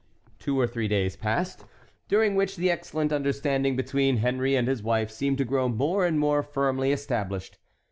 Two or three days passed, during which the excellent understanding between Henry and his wife seemed to grow more and more firmly established.